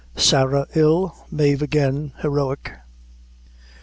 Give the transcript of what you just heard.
Sarah Ill Mave Again, Heroic.